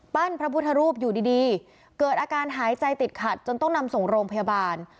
พระพุทธรูปอยู่ดีเกิดอาการหายใจติดขัดจนต้องนำส่งโรงพยาบาล